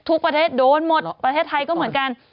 ทุกประเทศโดนหมดประเทศไทยก็เหมือนกัน